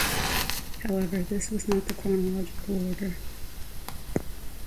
However, this was not the chronological order.